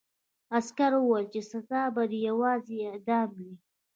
عسکر وویل چې سزا به دې یوازې اعدام وي